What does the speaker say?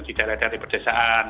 di daerah daerah perdesaan